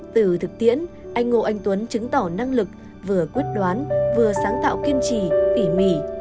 từ thực tiễn anh ngô anh tuấn chứng tỏ năng lực vừa quyết đoán vừa sáng tạo kiên trì tỉ mỉ